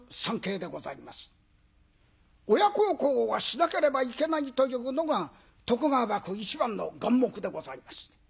親孝行はしなければいけないというのが徳川幕府一番の眼目でございました。